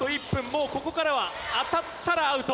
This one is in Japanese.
もうここからは当たったらアウト。